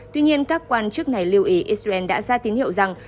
tuy nhiên các quan chức này lưu ý israel đã ra tín hiệu rằng